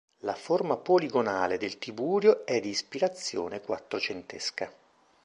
La forma poligonale del tiburio è di ispirazione quattrocentesca.